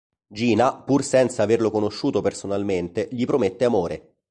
Gina, pur senza averlo conosciuto personalmente, gli promette amore.